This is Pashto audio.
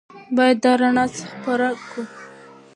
باید دا رڼا خپره کړو.